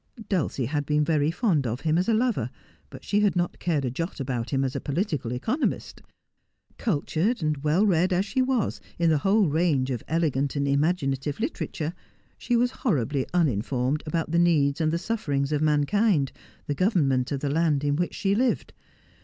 Dulcie had been very fond of him as a lover ; but she had not cared a jot about him as a political economist. Cultured, well read as she was in the whole range of elegant and imaginative literature, she was horribly uninformed about the needs and the sufferings of mankind, the government of the land in which she lived.